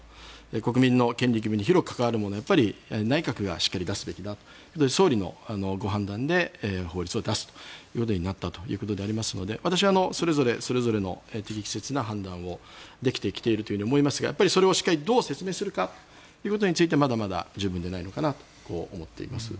国民の権益に広く関わるものは内閣がしっかり出すべきだと総理のご判断で法律を出すということになったということでありますので私はそれぞれの適切な判断をできてきていると思いますがそれをしっかりどう説明するかということについてはまだまだ十分ではないのかなと思っています。